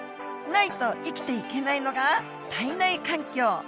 ないと生きていけないのが体内環境。